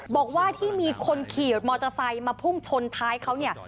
บอกว่าที่มีคนขี่มอเตอร์ไซค์มาพุ่งชนท้ายเขาเนี่ย